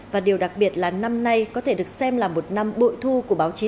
và điều đặc biệt là năm nay có thể được xem là một năm bội thu của báo chí